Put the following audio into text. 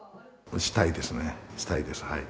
したいですね、したいです、はい。